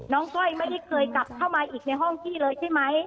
ก้อยไม่ได้เคยกลับเข้ามาอีกในห้องพี่เลยใช่ไหม